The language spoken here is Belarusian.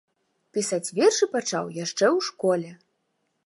Пісаць вершы пачаў яшчэ ў школе.